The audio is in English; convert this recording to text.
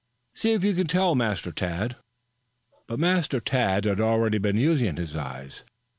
"See if you can tell, Master Tad." But Master Tad had already been using his eyes.